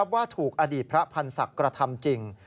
ว่าถูกอดีตพระพันธ์ศักดิ์กระทำจริง